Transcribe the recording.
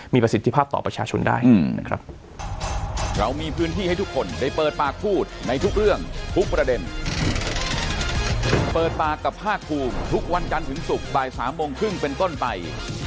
มีประสิทธิภาพต่อประชาชนได้